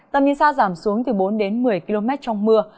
tầm nhìn xa giảm xuống từ bốn đến một mươi km trong mưa